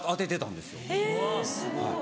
えすごい。